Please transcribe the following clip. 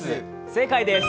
正解です。